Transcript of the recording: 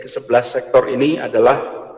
sebelas sektor ini adalah